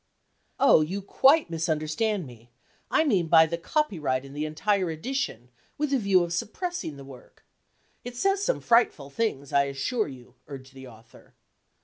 "Oh! you quite misunderstand me; I mean buy the copyright and the entire edition, with the view of suppressing the work. It says some frightful things, I assure you," urged the author.